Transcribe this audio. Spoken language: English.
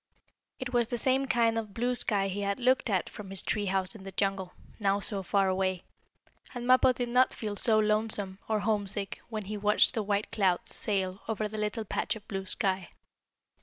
It was the same kind of blue sky he had looked at from his tree house in the jungle, now so far away, and Mappo did not feel so lonesome, or homesick, when he watched the white clouds sail over the little patch of blue sky.